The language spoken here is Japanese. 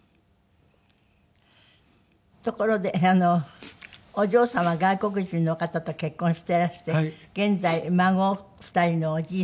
ところでお嬢様は外国人の方と結婚していらして現在孫２人のおじいさん。